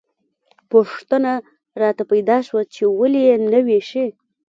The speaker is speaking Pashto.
پوښتنه راته پیدا شوه چې ولې یې نه ویشي.